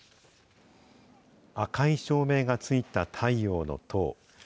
赤い照明がついた太陽の塔。